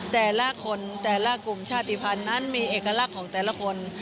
แต่ละคนแต่ละกลุ่มชาติภัณฑ์นั้นมีเอกลักษณ์ของแต่ละคน